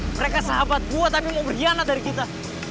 mereka sahabat gua tapi mau berhianat dari kita